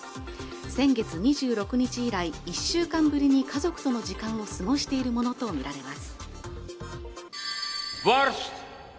先月２６日以来１週間ぶりに家族との時間を過ごしているものと見られます